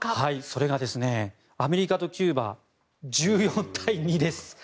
それがアメリカとキューバ１４対２です。